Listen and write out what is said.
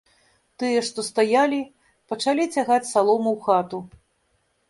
Тыя, што стаялі, пачалі цягаць салому ў хату.